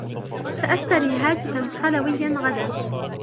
سأشتري هاتفا خلويا غدا.